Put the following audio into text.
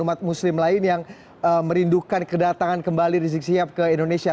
umat muslim lain yang merindukan kedatangan kembali rizik sihab ke indonesia